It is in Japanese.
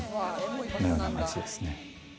のような街ですね。